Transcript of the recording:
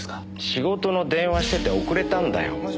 仕事の電話してて遅れたんだよ。